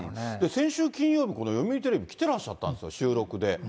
先週金曜日、この読売テレビ来てらっしゃったんですよ、収録で。